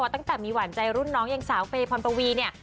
ตั้งแต่มีหวานใจรุ่นน้องอย่างสาวเฟย์พรปวีเนี่ย